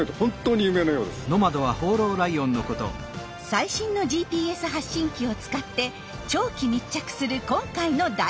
最新のＧＰＳ発信機を使って長期密着する今回の大調査。